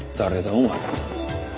お前。